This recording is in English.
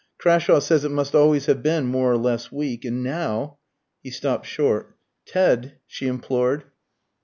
Crashawe says it must always have been more or less weak. And now " He stopped short. "Ted " she implored.